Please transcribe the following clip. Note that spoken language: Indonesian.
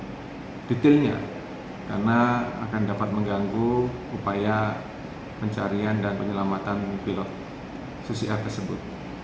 kita harus mencari detailnya karena akan dapat mengganggu upaya pencarian dan penyelamatan pilot susi air tersebut